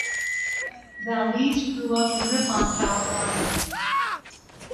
Valdez grew up in Ripon California.